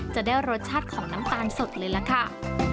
จะได้รสชาติของน้ำตาลสดเลยล่ะค่ะ